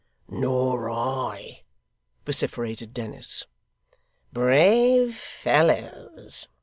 'Nor I!' vociferated Dennis. 'Brave fellows!